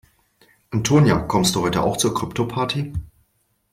Antonia, kommst du auch zur Kryptoparty?